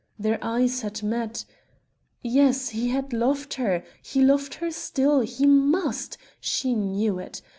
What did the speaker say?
Their eyes had met.... Yes! he had loved her! he loved her still he must she knew it.